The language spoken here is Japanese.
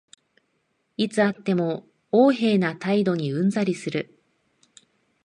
いつ会っても横柄な態度にうんざりする